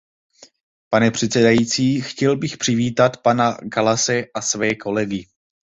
Pane předsedající, chtěl bych přivítat pana Kallase a své kolegy.